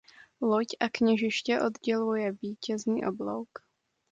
Loď a kněžiště odděluje vítězný oblouk.